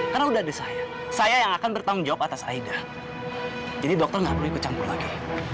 karena udah ada saya saya yang akan bertanggung jawab atas aida jadi doktor nggak perlu ikut campur lagi